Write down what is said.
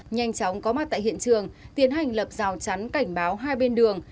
nhanh chóng có mặt tại hiện trường tiến hành lập rào chắn cảnh báo hai bên đường